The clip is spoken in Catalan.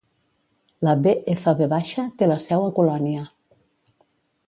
La BfV te la seu a Colònia.